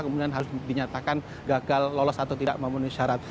kemudian harus dinyatakan gagal lolos atau tidak memenuhi syarat